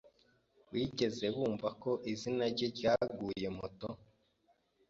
Wigeze wumva ko izina-rye ryaguye moto?